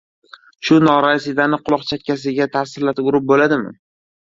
Shu norasidani quloq-chakkasiga tarsillatib urib bo‘ladimi?